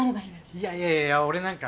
いやいやいや俺なんか